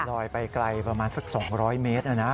ลอยไปไกลประมาณสัก๒๐๐เมตรนะนะ